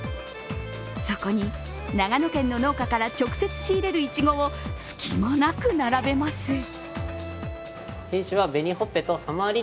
そこに、長野県の農家から直接仕入れるいちごを隙間なく並べます。